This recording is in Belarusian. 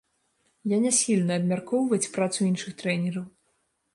Я не схільны абмяркоўваць працу іншых трэнераў.